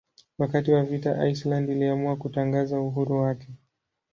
Wakati wa vita Iceland iliamua kutangaza uhuru wake.